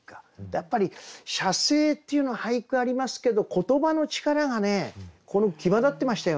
やっぱり写生っていうの俳句ありますけど言葉の力がねこの句際立ってましたよね。